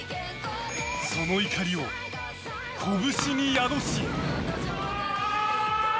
その怒りを拳に宿し。